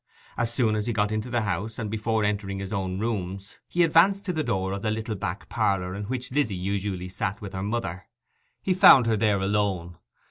As soon as he got into the house, and before entering his own rooms, he advanced to the door of the little back parlour in which Lizzy usually sat with her mother. He found her there alone.